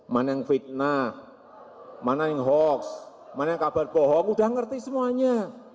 mana yang fitnah mana yang hoax mana yang kabar bohong udah ngerti semuanya